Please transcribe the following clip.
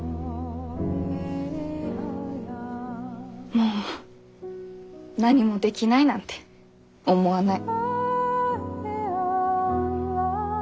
もう何もできないなんて思わない。